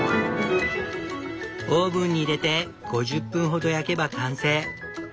オーブンに入れて５０分ほど焼けば完成。